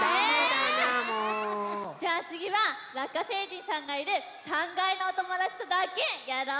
じゃあつぎはラッカ星人さんがいる３かいのおともだちとだけやろう！